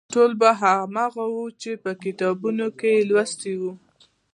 ټول به هماغه و چې په کتابونو کې یې لوستي وو.